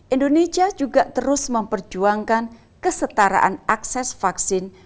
indonesia juga terus memperjuangkan kesetaraan akses vaksin